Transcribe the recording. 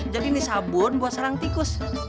jadi ini sabun buat sarang tikus